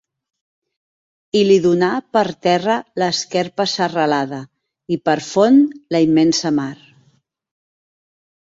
I li donà per terra l'esquerpa serralada, i per font la immensa mar.